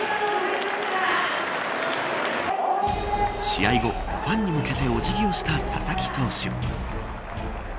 試合後、ファンに向けてお辞儀をした佐々木投手。